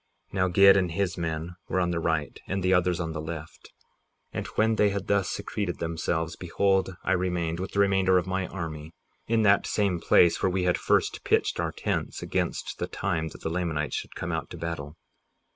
58:17 Now Gid and his men were on the right and the others on the left; and when they had thus secreted themselves, behold, I remained, with the remainder of my army, in that same place where we had first pitched our tents against the time that the Lamanites should come out to battle.